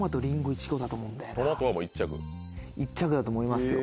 １着だと思いますよ。